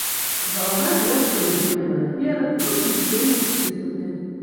Галава злёгку нахілена наперад, вусны шчыльна сціснуты.